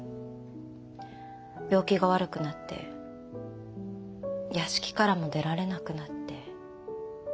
病気が悪くなって屋敷からも出られなくなって。